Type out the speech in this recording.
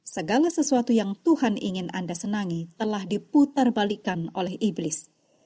segala sesuatu yang tuhan ingin anda senangi telah diputarbalikan oleh iblis